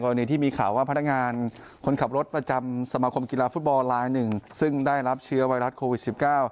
วันนี้ที่มีข่าวว่าพนักงานคนขับรถประจำสมาคมกีฬาฟุตบอลลายหนึ่งซึ่งได้รับเชื้อไวรัสโควิดสิบเก้า